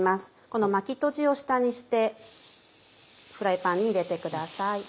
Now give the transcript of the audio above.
この巻きとじを下にしてフライパンに入れてください。